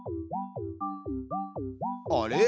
あれ？